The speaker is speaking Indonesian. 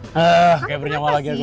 hah kayak bernyawa lagi aku